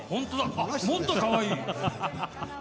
もっとかわいい！